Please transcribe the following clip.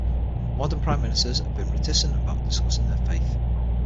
Modern Prime Ministers have been reticent about discussing their faith.